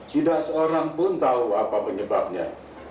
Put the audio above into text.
tidak seorang pun tahu apa penyebabnya